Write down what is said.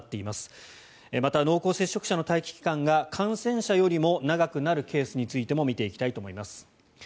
また、濃厚接触者の待機期間が感染者よりも長くなるケースについても見ていきたいと思います。